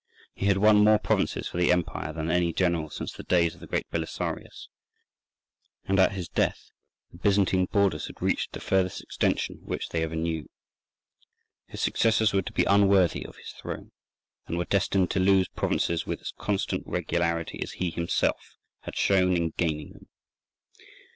He had won more provinces for the empire than any general since the days of the great Belisarius, and at his death the Byzantine borders had reached the furthest extension which they ever knew. His successors were to be unworthy of his throne, and were destined to lose provinces with as constant regularity as he himself had shown in gaining them.